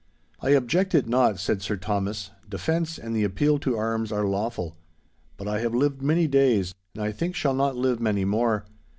'I object it not,' said Sir Thomas; 'defence and the appeal to arms are lawful. But I have lived many days, and I think shall not live many more.